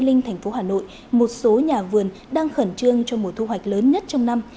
linh thành phố hà nội một số nhà vườn đang khẩn trương cho mùa thu hoạch lớn nhất trong năm